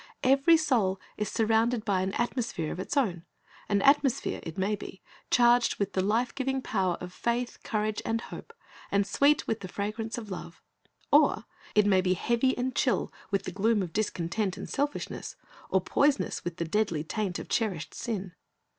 Every soul is surrounded by an atmosphere of its own, — an atmosphere, it may be, charged with the life giving power of faith, courage, and hope, and sweet with the fragrance of love. Or it may be heavy and chill with the gloom of dis content and selfishness, or poisonous with the deadly taint of cherished sin.